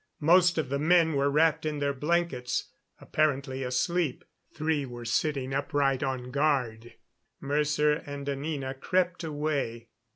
Most of the men were wrapped in their blankets, apparently asleep; three were sitting upright, on guard. Mercer and Anina crept away.